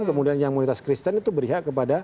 kemudian yang mayoritas kristen itu berpihak kepada islam